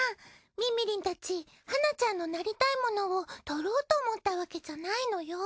みみりんたちはなちゃんのなりたいものを取ろうと思ったわけじゃないのよ。